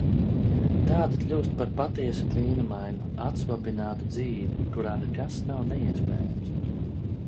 Tāda kļūst par patiesi brīnumainu, atsvabinātu dzīvi, kurā nekas nav neiespējams.